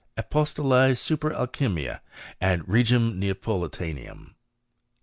Epistolee super Alchymia ad Regem Neapoli^ tanum. 9.